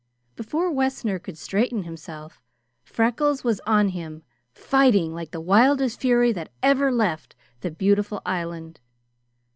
Before Wessner could straighten himself, Freckles was on him, fighting like the wildest fury that ever left the beautiful island.